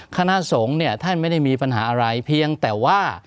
คณะสงฆ์เนี่ยท่านไม่ได้มีปัญหาอะไรเพียงแต่ว่า